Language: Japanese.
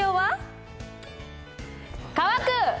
乾く。